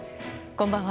こんばんは。